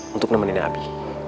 untuk nemenin nabi